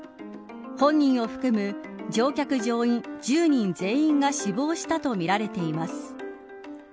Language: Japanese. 本人を含む乗客乗員１０人全員が死亡したとみられています。